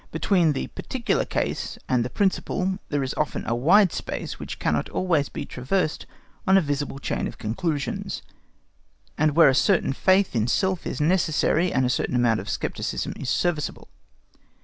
Between the particular case and the principle there is often a wide space which cannot always be traversed on a visible chain of conclusions, and where a certain faith in self is necessary and a certain amount of scepticism is serviceable.